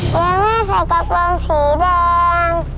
เดี๋ยวแม่ใส่กระป๋องสีดอง